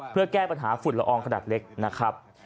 เพื่อแก้ปัญหาฝุ่นละอองขนาดเล็กนะครับ